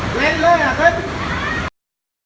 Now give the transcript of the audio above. สวัสดีครับ